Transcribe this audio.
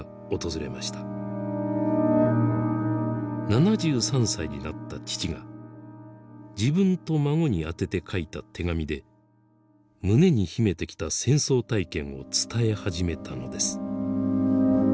７３歳になった父が自分と孫に宛てて書いた手紙で胸に秘めてきた戦争体験を伝え始めたのです。